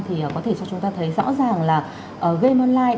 thì có thể cho chúng ta thấy rõ ràng là game online